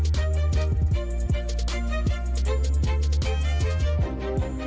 ตอนนี้มาในธีมเจ้าหญิงค่ะ